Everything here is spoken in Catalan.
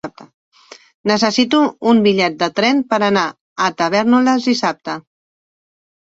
Necessito un bitllet de tren per anar a Tavèrnoles dissabte.